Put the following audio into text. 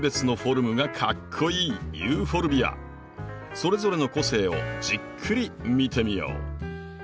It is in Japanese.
それぞれの個性をじっくり見てみよう。